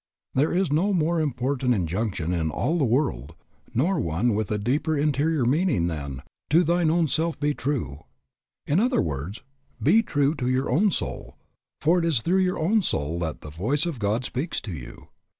There is no more important injunction in all the world, nor one with a deeper interior meaning, than "To thine own self be true." In other words, be true to your own soul, for it is through your own soul that the voice of God speaks to you.